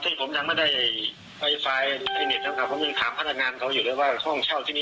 เออขาด่วนถึงลูกสาวผมมาเที่ยวผมก็พูดอยู่นะ